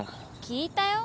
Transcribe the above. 聞いたよ